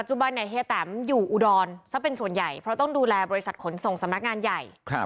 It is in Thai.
จะเป็นส่วนใหญ่เพราะต้องดูแลบริษัทขนส่งสำนักงานใหญ่